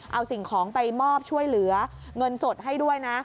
เอาสิ่งของไปมอบช่วยเหลือเงินสดให้ด้วยนะ